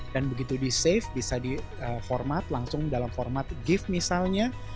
dan begitu di save bisa diformat langsung dalam format gif misalnya